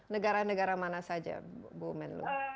negara negara mana saja bu menlu